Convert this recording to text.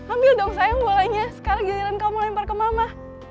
ambil dong sayang bolanya sekarang giliran kamu lempar ke mama